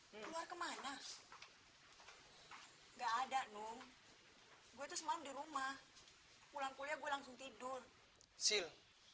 hai keluar kemana enggak ada nung gue tuh semangat di rumah pulang kuliah gue langsung tidur sil